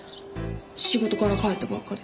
仕事から帰ったばっかで。